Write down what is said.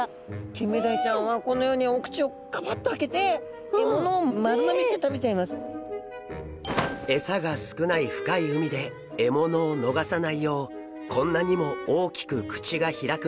キンメダイちゃんはこのようにお口をガバッと開けてエサが少ない深い海で獲物を逃さないようこんなにも大きく口が開くんです。